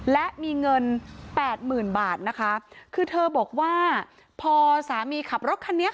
และมีเงินแปดหมื่นบาทนะคะคือเธอบอกว่าพอสามีขับรถคันนี้